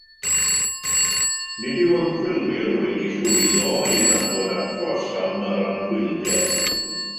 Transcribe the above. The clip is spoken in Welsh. Nid yw ymchwilwyr wedi llwyddo i ganfod achos am yr anhwylder.